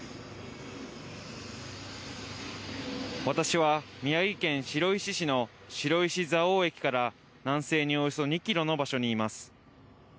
私は、宮城県白石市の白石蔵王駅から南西におよそ２キロの場所にいます。